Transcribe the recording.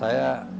ya ya pak